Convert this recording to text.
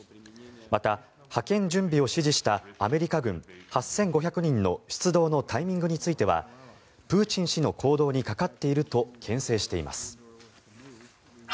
また、派遣準備を指示したアメリカ軍８５００人の出動のタイミングについてはプーチン氏の行動にかかっているとけん制しています。